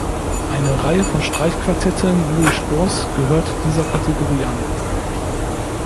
Eine Reihe von Streichquartetten Louis Spohrs gehört dieser Kategorie an.